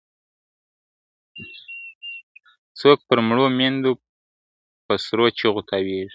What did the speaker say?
څوک پر مړو میندو په سرو چیغو تاویږي ..